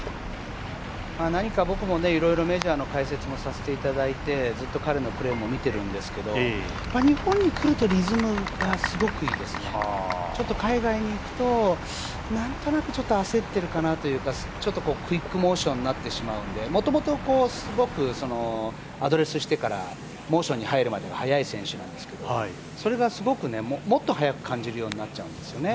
何か僕もいろいろメジャーの解説もさせていただいてずっと彼のプレーも見てるんですけど日本に来ると、リズムがすごくいいですね、海外に行くと、なんとなくちょっと焦っているかなというか、クイックモーションになってしまうので、もともとすごくアドレスしてからモーションに入るまでが早い選手なんですけどそれがすごくもっと早く感じるようになっちゃうんですよね。